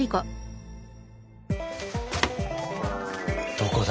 どこだ？